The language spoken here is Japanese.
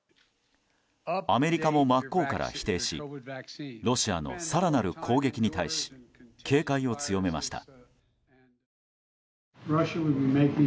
アメリカも真っ向から否定しロシアの更なる攻撃に対し警戒を強めました。